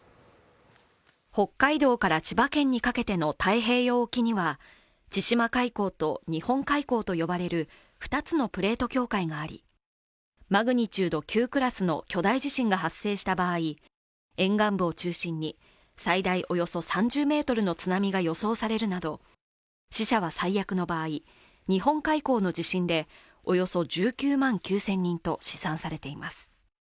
北海道から千葉県にかけての太平洋沖には千島海溝と日本海溝と呼ばれる２つのプレート境界がありマグニチュード９クラスの巨大地震が発生した場合沿岸部を中心に最大およそ３０メートルの津波が予想されるなど死者は最悪の場合日本海溝の地震でおよそ１９万９０００人と試算されています